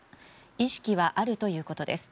意識はあるということです。